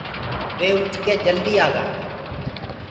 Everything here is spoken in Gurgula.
وي اُٺ ڪي جلدي آگآ۔